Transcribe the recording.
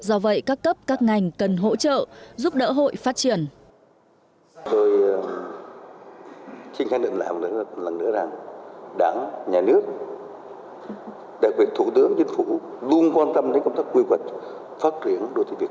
ở việt nam